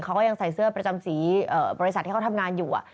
เขาก็ยังใส่เสื้อประจำสีบริษัทที่เขาทำงานอยู่